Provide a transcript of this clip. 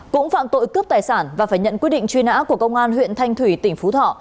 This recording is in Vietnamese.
cũng phạm tội cướp tài sản và phải nhận quyết định truy nã của công an huyện thanh thủy tỉnh phú thọ